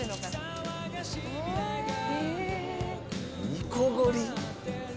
煮こごり。